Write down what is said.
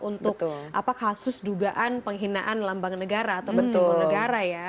untuk kasus dugaan penghinaan lambang negara atau betul negara ya